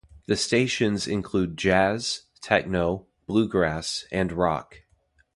The stations include jazz, techno, bluegrass, and rock.